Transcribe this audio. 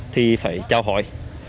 thì phải trao hỏi